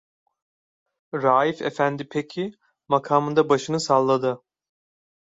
"Raif efendi peki" makamında başını salladı.